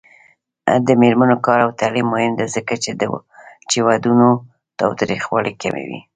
د میرمنو کار او تعلیم مهم دی ځکه چې ودونو تاوتریخوالي کموي.